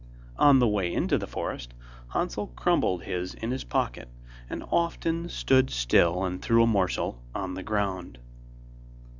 On the way into the forest Hansel crumbled his in his pocket, and often stood still and threw a morsel on the ground.